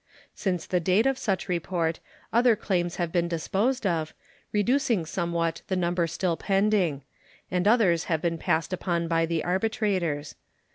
Since the date of such report other claims have been disposed of, reducing somewhat the number still pending; and others have been passed upon by the arbitrators.